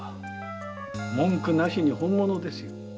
文句なしに本物ですよ。